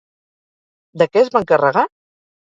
De què es va encarregar?